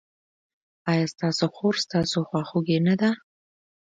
ایا ستاسو خور ستاسو خواخوږې نه ده؟